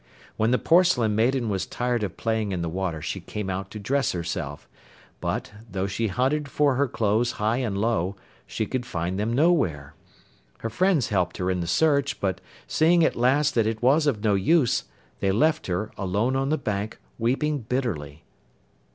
When the Porcelain Maiden was tired of playing in the water she came out to dress herself, but, though she hunted for her clothes high and low, she could find them nowhere. Her friends helped her in the search, but, seeing at last that it was of no use, they left her, alone on the bank, weeping bitterly.